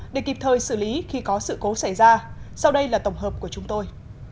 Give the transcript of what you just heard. để kịp thời xử lý khi có sự cố xảy ra sau đây là tổng hợp của chúng tôi